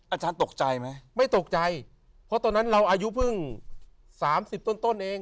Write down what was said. อาจารย์ตกใจไหมไม่ตกใจเพราะตอนนั้นเราอายุเพิ่ง๓๐ต้นเอง